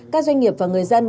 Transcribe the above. các doanh nghiệp và người dân